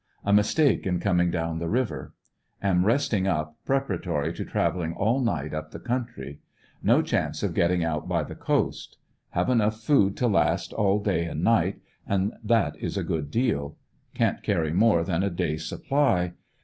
A mistake in coming down the river Am resting up, preparatory to traveling all night up the country. No chance of getting: out by the coast. Have enough food to last all day and night, and that is a good deal. Can't carry more than a day's supply.